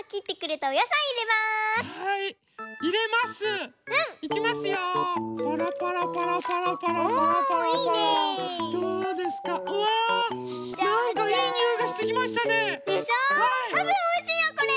たぶんおいしいよこれ。